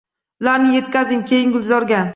Ularni yetkazing keyin gulzorga.